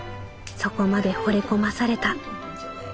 そこまで惚れ込まされた」。